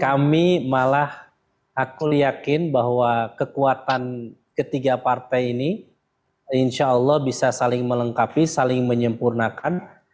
kami malah aku yakin bahwa kekuatan ketiga partai ini insya allah bisa saling melengkapi saling menyempurnakan